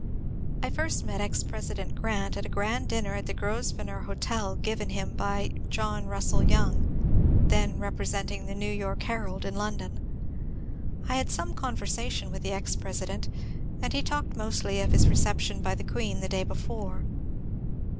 I first met ex President Grant at a grand dinner at the Grosvenor Hotel given him by John Russell Young, then re presenting the '^ New York Herald " in London. I had some conversation with the ex President, and he talked mostly of his reception by the Queen the day before.